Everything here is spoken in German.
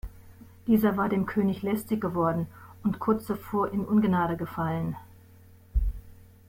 Dieser war dem König lästig geworden und kurz zuvor in Ungnade gefallen.